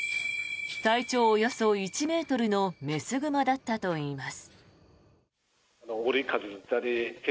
体長およそ１ｍの雌熊だったといいます。